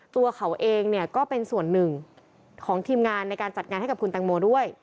ตัวเขาเองเนี่ยก็เป็นส่วนหนึ่งของทีมงานในการจัดงานให้กับคุณแตงโมด้วย